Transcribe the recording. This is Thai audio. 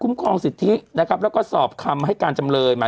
กรมป้องกันแล้วก็บรรเทาสาธารณภัยนะคะ